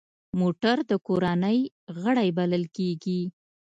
موټر د کورنۍ غړی بلل کېږي.